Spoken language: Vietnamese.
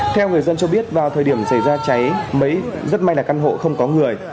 theo người dân cho biết vào thời điểm xảy ra cháy rất may là căn hộ không có người